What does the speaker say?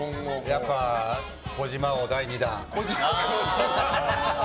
やっぱ児嶋王第２弾。